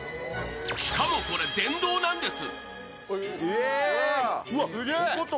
しかもこれ、電動なんです。